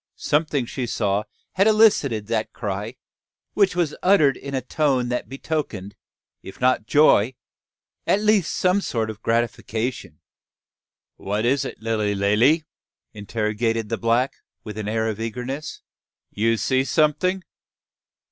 Something she saw had elicited that cry, which was uttered in a tone that betokened, if not joy, at least some sort of gratification. "Wha is it, Lilly Lally?" interrogated the black, with an air of eagerness; "you see someting.